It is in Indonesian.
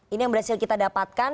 ini yang berhasil kita dapatkan